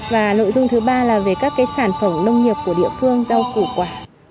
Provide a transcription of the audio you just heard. và nội dung thứ ba là về các cái sản phẩm nông nghiệp của địa phương rau củ quả